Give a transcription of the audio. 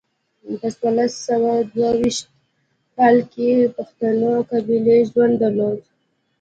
په څوارلس سوه دوه ویشت کال کې پښتنو قبایلي ژوند درلود.